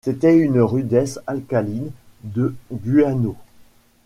C’était une rudesse alcaline de guano.